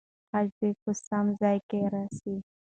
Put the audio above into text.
خج دې په سم ځای کې راسي.